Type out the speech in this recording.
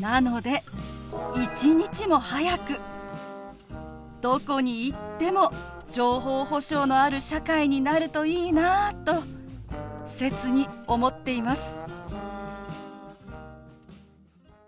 なので一日も早くどこに行っても情報保障のある社会になるといいなあと切に思っています。